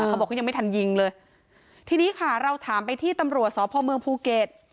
เขาบอกเขายังไม่ทันยิงเลยทีนี้ค่ะเราถามไปที่ตำรวจสพเมืองภูเก็ต